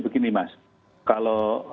begini mas kalau